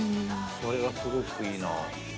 それがすごくいいなって。